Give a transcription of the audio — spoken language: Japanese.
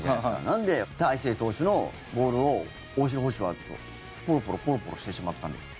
なんで大勢投手のボールを大城捕手はポロポロポロポロしてしまったんですか？